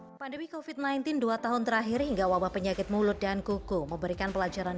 hai pandemi kofit sembilan belas dua tahun terakhir hingga wabah penyakit mulut dan kuku memberikan pelajaran